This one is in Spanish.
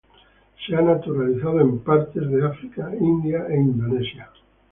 Se ha naturalizado en partes de África, India, Indonesia.